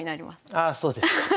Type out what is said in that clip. ああそうですか。